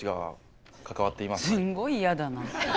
すんごい嫌だな。